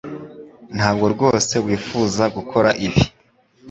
Ntabwo rwose wifuza gukora ibi